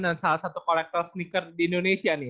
dan salah satu kolektor sneaker di indonesia nih